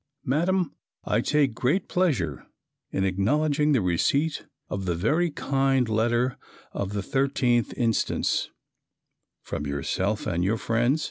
Madam I take great pleasure in acknowledging the receipt of the very kind letter of the 13th inst., from yourself and your friends.